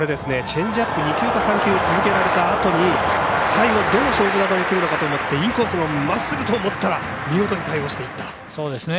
チェンジアップ２球か３球続けられたあとに最後、どの勝負球にくるのかと思ってインコースのまっすぐと思ったら見事に対応していった。